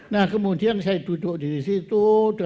nah kemudian saya duduk di situ